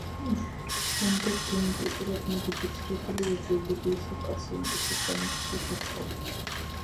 შემდეგ გენეტიკურად მოდიფიცირებული უჯრედები ისევ პაციენტის ორგანიზმში შეჰყავთ.